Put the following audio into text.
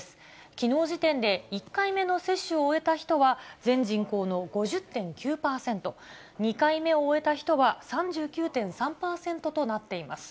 きのう時点で１回目の接種を終えた人は、全人口の５０．９％、２回目を終えた人は３９．３％となっています。